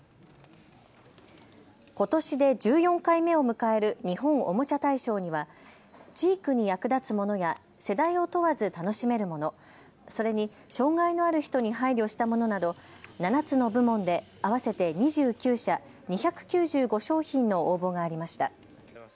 ことしで１４回目を迎える日本おもちゃ大賞には知育に役立つものや世代を問わず楽しめるもの、それに障害のある人に配慮したものなど７つの部門で合わせて２９社２９５商品の応募がありました。